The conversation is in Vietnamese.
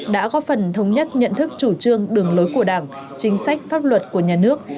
đã góp phần thống nhất nhận thức chủ trương đường lối của đảng chính sách pháp luật của nhà nước